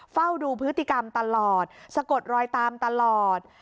เฝ้าดูพฤติกรรมตลอดสะกดรอยตามตลอด